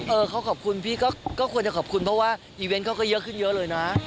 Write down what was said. เออเขาขอบคุณพี่ก็ควรจะขอบคุณเพราะว่าอีเวนต์เขาก็เยอะขึ้นเยอะเลยนะ